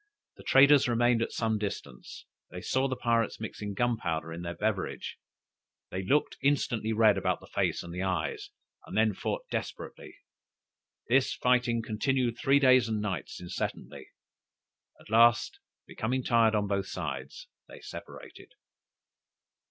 The traders remained at some distance; they saw the pirates mixing gunpowder in their beverage, they looked instantly red about the face and the eyes, and then fought desperately. This fighting continued three days and nights incessantly; at last, becoming tired on both sides, they separated.